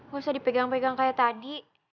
gak usah dipegang pegang kayak tadi